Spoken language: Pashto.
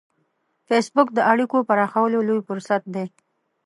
فېسبوک د اړیکو پراخولو لوی فرصت دی